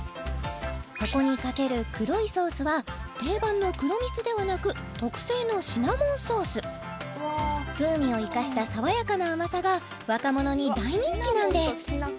そこにかける黒いソースは定番の黒蜜ではなく特製のシナモンソース風味を生かした爽やかな甘さが若者に大人気なんです